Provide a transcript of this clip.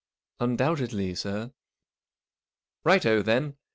Undoubtedly, sir." " Right o, then.